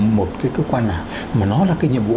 một cái cơ quan nào mà nó là cái nhiệm vụ